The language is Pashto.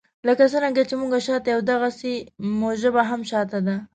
لکه څنګه چې موږ شاته یو داغسي مو ژبه هم شاته ده.